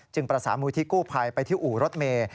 ประสานมูลที่กู้ภัยไปที่อู่รถเมย์